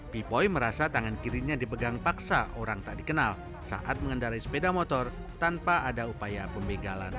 pipoi merasa tangan kirinya dipegang paksa orang tak dikenal saat mengendarai sepeda motor tanpa ada upaya pembegalan